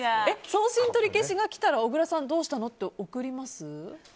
送信取り消しが来たら小倉さんはどうしたの？って送りますか？